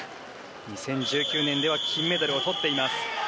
２０１９年では金メダルをとっています。